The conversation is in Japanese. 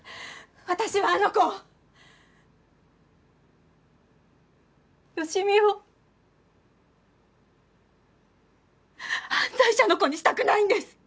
私はあの子を好美を犯罪者の子にしたくないんです！